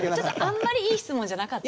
あんまりいい質問じゃなかった？